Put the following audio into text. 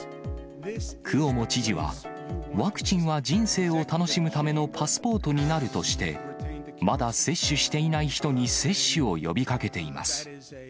クオモ知事は、ワクチンは人生を楽しむためのパスポートになるとして、まだ接種していない人に接種を呼びかけています。